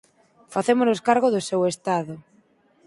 Facémonos cargo do seu estado.